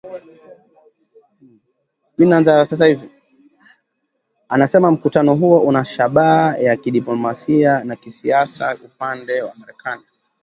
anasema mkutano huo una shabaa ya kidiplomasia na kisiasa upande wa Marekani